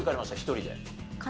１人で。